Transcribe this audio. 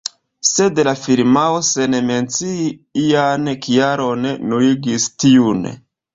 Sed la firmao, sen mencii ian kialon, nuligis tiun.